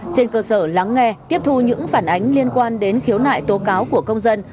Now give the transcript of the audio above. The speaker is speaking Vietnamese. trên cơ sở lắng nghe tiếp thu những phản ánh liên quan đến khiếu nại tố cáo của công dân